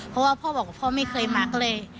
เพราะว่าพ่อบอกว่าพ่อไม่เคยมาก็เลย